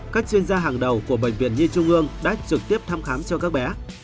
các chuyên gia hàng đầu của bệnh viện nhi trung ương đã trực tiếp thăm khám cho các bé